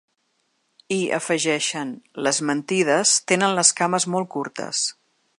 I afegeixen: Les mentides tenen les cames molt curtes.